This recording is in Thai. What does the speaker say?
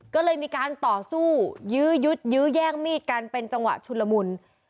ก็เลยมีการต่อสู้ยื้อยึดยื้อแย่งมีดกันเป็นจังหวะชุนละมุน